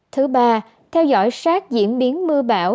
thứ ba theo dõi sát diễn biến mưa bão